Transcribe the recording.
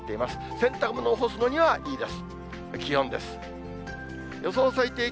洗濯物を干すのにはいいです。